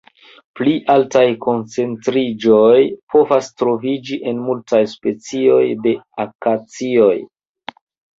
Pli altaj koncentriĝoj povas troviĝi en multaj specioj de akacioj.